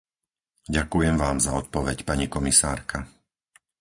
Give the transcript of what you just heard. Ďakujem vám za odpoveď, pani komisárka.